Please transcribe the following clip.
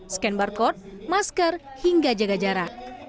scan barcode masker hingga jaga jarak